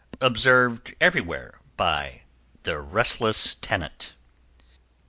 = Observed everywhere by The Restless Tenant.